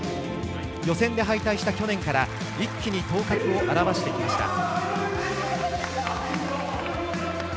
予選で敗退した去年から一気に頭角を現してきました。